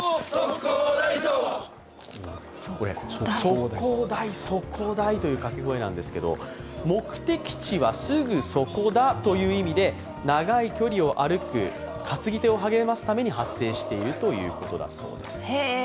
ソコダイ、ソコダイという掛け声なんですけど目的地はすぐそこだという意味で長い距離を歩く担ぎ手を励ますために発声しているということだそうです。